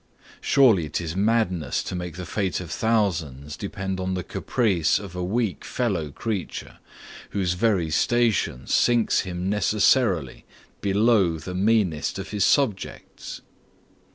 Surely it is madness to make the fate of thousands depend on the caprice of a weak fellow creature, whose very station sinks him NECESSARILY below the meanest of his subjects!